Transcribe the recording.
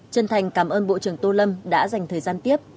chân thành cảm ơn bộ trưởng tô lâm đã dành thời gian tiếp